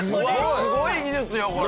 すごい技術よこれ！